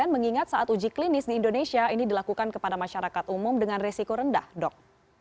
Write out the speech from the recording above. mengingat saat uji klinis di indonesia ini dilakukan kepada masyarakat umum dengan resiko rendah dok